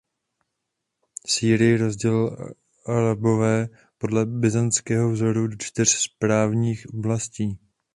Sýrii rozdělili Arabové podle byzantského vzoru do čtyř správních oblastí.